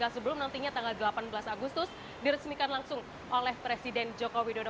sebelum nantinya tanggal delapan belas agustus diresmikan langsung oleh presiden joko widodo